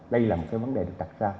đây là một cái vấn đề được đặt ra